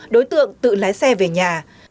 đối tượng tự lái xe về nhà